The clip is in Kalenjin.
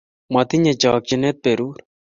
matinye chokchinet berur